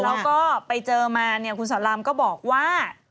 แล้วก็ไปเจอมาเนี่ยคุณสอนรามก็บอกว่า